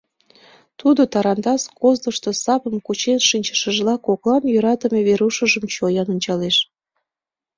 Тудо, тарантас козлышто сапым кучен шинчышыжла, коклан йӧратыме Верушыжым чоян ончалеш.